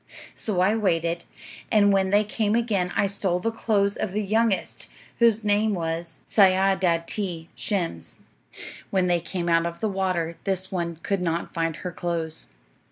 "'So I waited, and when they came again I stole the clothes of the youngest, whose name was Sayadaa'tee Shems. "'When they came out of the water, this one could not find her clothes.